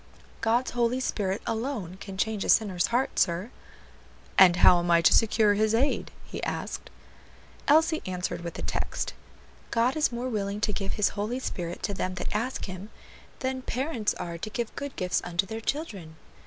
"God's Holy Spirit, alone, can change a sinner's heart, sir." "And how am I to secure His aid?" he asked. Elsie answered with a text: "God is more willing to give His Holy Spirit to them that ask Him, than parents are to give good gifts unto their children."